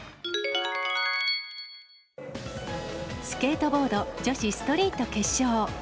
スケートボード女子ストリート決勝。